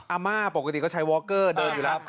อามาปกติก็ใช้วอร์เกอร์เดินอยู่รับ